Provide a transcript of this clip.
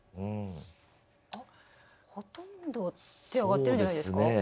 あっほとんど手挙がってるんじゃないですか。